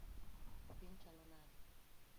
Piny chalo nade?